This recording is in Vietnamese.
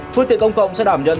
phương tiện công cộng sẽ đảm nhận